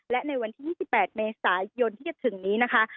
และในวันที่๒๘เมษายนที่จะถึงนี้นะคะ